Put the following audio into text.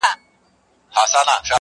چې سر مو لوړ وي پښتنو د سر سړي وساتئ